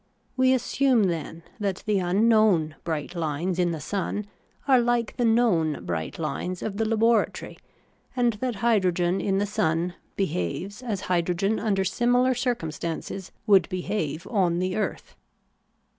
We assume, then, that the unknown bright hnes in the sun are hke the known bright hnes of the laboratory, and that hydrogen in the sun behaves as hydrogen under similar circumstances would behave on the earth.